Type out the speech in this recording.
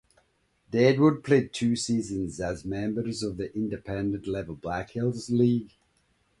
Deadwood played two seasons as members of the Independent level Black Hills League.